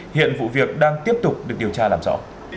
hiện vụ việc đang tiếp tục được điều tra làm rõ